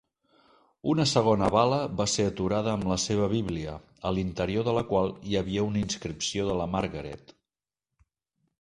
Una segona bala va ser aturada amb la seva bíblia, a l'interior de la qual hi havia una inscripció de la Margaret.